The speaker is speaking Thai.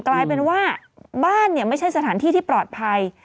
กลายเป็นว่าบ้านเนี่ยไม่ใช่สถานที่ที่ปลอดภัย